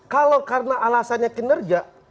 kalau karena alasannya kinerja